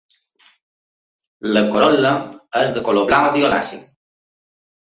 La corol·la és de color blau violaci.